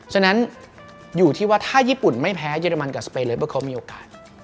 ฉะนั้นอยู่ที่ว่าถ้าญี่ปุ่นไม่แพ้เยอรมันกับสเปนเลยว่าเขามีโอกาส